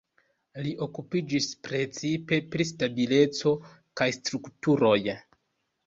Li okupiĝis precipe pri stabileco kaj strukturoj.